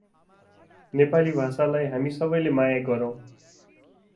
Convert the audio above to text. नेपाली भाषालाई हामी सबैले माया गरौँ।